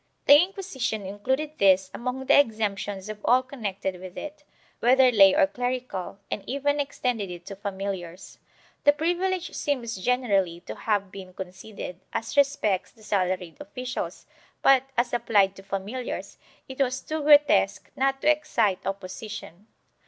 1 The Inquisition included this among the exemptions of all connected with it, whether lay or clerical, and even extended it to familiars. The privilege seems generally to have been conceded, as respects the salaried officials but, as applied to familiars, it was too grotesque not to excite opposition.